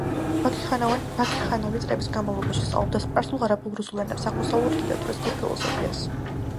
ბაქიხანოვი წლების განმავლობაში სწავლობდა სპარსულ, არაბულ, რუსულ ენებს, აღმოსავლურ ლიტერატურასა და ფილოსოფიას.